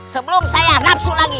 sebelum saya nafsu lagi